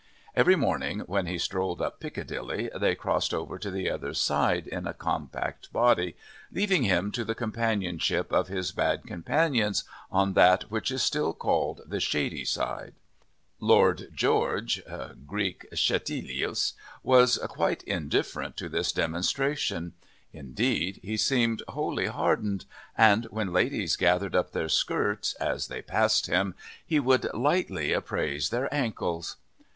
Every morning, when he strolled up Piccadilly, they crossed over to the other side in a compact body, leaving him to the companionship of his bad companions on that which is still called the "shady" side. Lord George [Greek: schetlios] was quite indifferent to this demonstration. Indeed, he seemed wholly hardened, and when ladies gathered up their skirts as they passed him, he would lightly appraise their ankles.